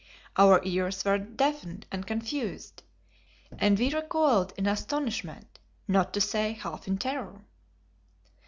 Our ears were deafened and confused, and we recoiled in astonishment, not to say, half in terror.